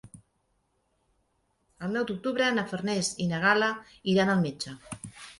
El nou d'octubre na Farners i na Gal·la iran al metge.